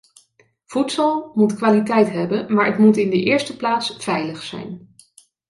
Voedsel moet kwaliteit hebben, maar het moet in de eerste plaats veilig zijn.